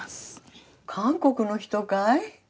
韓国の人かい？